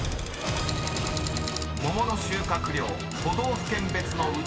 ［桃の収穫量都道府県別のウチワケ］